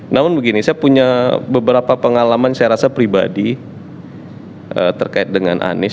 namun begini saya punya beberapa pengalaman saya rasa pribadi terkait dengan anies